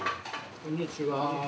こんにちは！